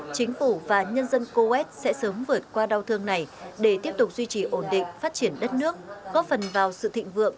chính phủ và nhân dân coes sẽ sớm vượt qua đau thương này để tiếp tục duy trì ổn định phát triển đất nước góp phần vào sự thịnh vượng